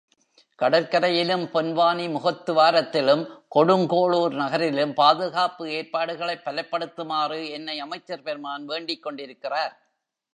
கடற்கரையிலும், பொன்வானி முகத்துவாரத்திலும் கொடுங்கோளூர் நகரிலும் பாதுகாப்பு ஏற்பாடுகளைப் பலப்படுத்துமாறு என்னை அமைச்சர் பெருமான் வேண்டிக் கொண்டிருக்கிறார்.